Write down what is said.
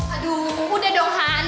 aduh udah dong han